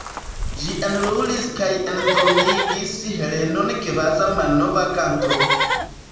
Ĝi enlulis kaj endormigis Helenon kvazaŭ malnova kanto.